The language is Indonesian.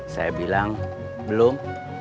saya bilang belum